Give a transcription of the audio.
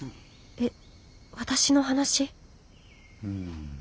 え私の話？